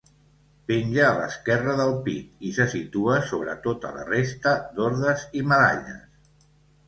Penja a l'esquerra del pit, i se situa sobre tota la resta d'ordes i medalles.